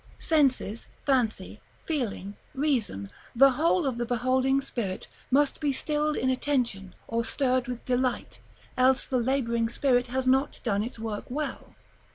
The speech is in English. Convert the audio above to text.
Senses, fancy, feeling, reason, the whole of the beholding spirit, must be stilled in attention or stirred with delight; else the laboring spirit has not done its work well.